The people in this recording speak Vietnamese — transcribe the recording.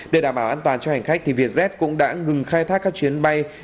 để đảm bảo an toàn cho hành khách vietjet cũng đã ngừng khai thác các chuyến bay